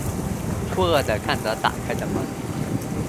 错愕的看着打开的门